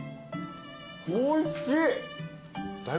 おいしい。